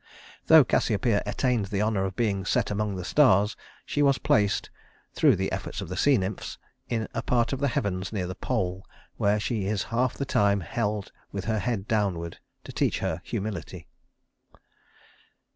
Though Cassiopeia attained the honor of being set among the stars, she was placed through the efforts of the sea nymphs in a part of the heavens near the pole, where she is half the time held with her head downward, to teach her humility.